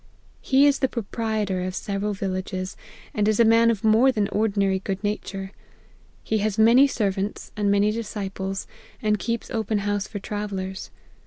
He is the proprietor of several villages, and is a man of more than ordinary good nature He has many servants, and many disciples, and keeps open house for travellers.